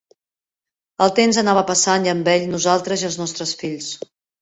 El temps anava passant i amb ell, nosaltres i els nostres fills.